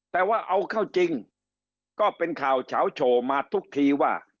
แต่ว่าเอาเข้าจริงก็เป็นข่าวเฉาโชว์มาทุกทีว่า